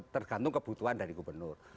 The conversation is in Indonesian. tergantung kebutuhan dari gubernur